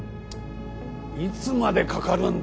いつまでかかるんだ？